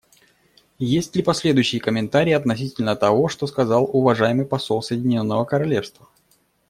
Есть ли последующие комментарии относительно того, что сказал уважаемый посол Соединенного Королевства?